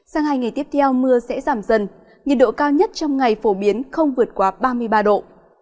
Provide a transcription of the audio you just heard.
sang hai ngày tiếp theo mưa sẽ giảm dần nhiệt độ cao nhất trong ngày phổ biến không vượt qua ba mươi ba độ